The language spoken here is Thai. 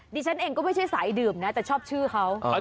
ดิฉันเองก็ไม่ใช่สายดื่มนะแต่ชอบชื่อเขา